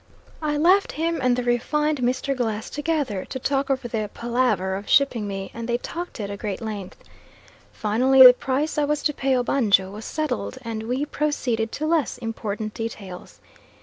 I left him and the refined Mr. Glass together to talk over the palaver of shipping me, and they talked it at great length. Finally the price I was to pay Obanjo was settled and we proceeded to less important details.